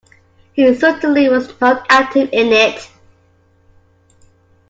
He certainly was not active in it.